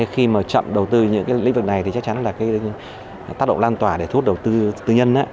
khi chậm đầu tư những lĩnh vực này chắc chắn là tác độ lan tỏa để thuốc đầu tư tư nhân